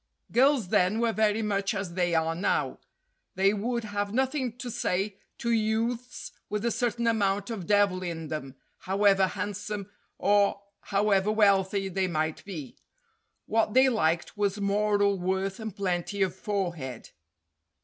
Girls then were very much as they are now. They would have nothing to say to youths with a certain amount of devil in them, however handsome or however wealthy they might be. What they liked was moral worth and plenty of forehead.